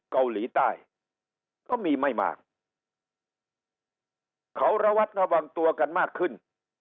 เกาหลีใต้ก็มีไม่มากเขาระวัดระวังตัวกันมากขึ้น